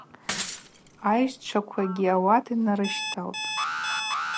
Айщчваквагьи ауат йнарыщталтӏ.